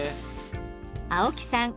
青木さん